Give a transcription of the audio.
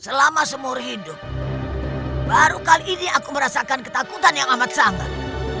selama seumur hidup baru kali ini aku merasakan ketakutan yang amat sangat